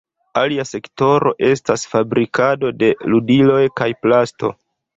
Alia sektoro estas fabrikado de ludiloj kaj plasto.